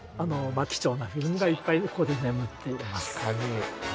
貴重なフィルムがいっぱいここで眠っています。